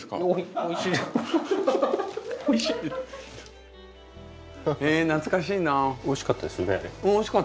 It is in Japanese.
おいしかったです。